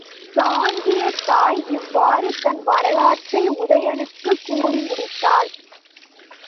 சாங்கியத் தாய் இவ்வாறு தன் வரலாற்றை உதயணனுக்குக் கூறி முடித்தாள்.